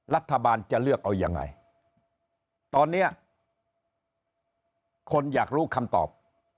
รัฐบาลจะเลือกเอายังไงตอนนี้คนอยากรู้คำตอบ